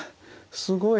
すごい。